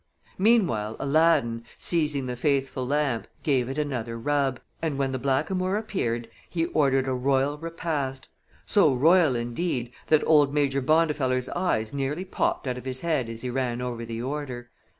Meanwhile, Aladdin, seizing the faithful lamp, gave it another rub, and when the blackamoor appeared he ordered a royal repast so royal, indeed, that old Major Bondifeller's eyes nearly popped out of his head as he ran over the order.